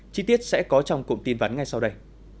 chi tiết sẽ có trong cụm tin vắn ngay sau đây